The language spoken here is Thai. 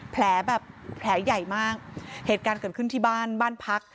แผลแบบแผลใหญ่มากเหตุการณ์เกิดขึ้นที่บ้านบ้านพัก